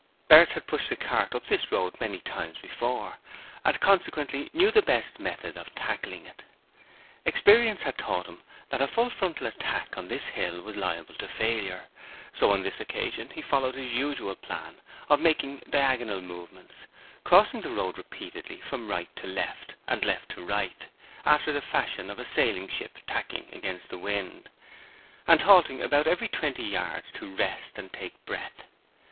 Bert had pushed a cart up this road many times before and consequently knew the best method of tackling it. Experience had taught him that a full frontal attack on this hill was liable to failure, so on this occasion he followed his usual plan of making diagonal movements, crossing the road repeatedly from right to left and left to right, after the fashion of a sailing ship tacking against the wind, and halting about every twenty yards to rest and take breath.